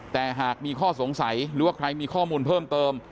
แต่หากมีข้อสงสัยหรือว่าใครมีข้อมูลเพิ่มเติม